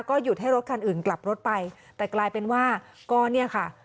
หยุดให้รถคันอื่นกลับรถไปแต่กลายเป็นว่าก็เนี่ยค่ะ